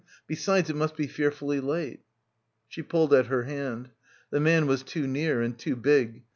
Besides, it must be fearfully late." She pulled at her hand. The man was too near and too big.